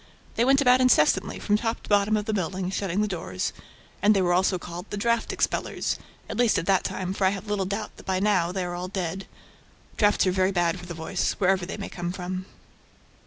They went about incessantly, from top to bottom of the building, shutting the doors; and they were also called "The draft expellers," at least at that time, for I have little doubt that by now they are all dead. Drafts are very bad for the voice, wherever they may come from.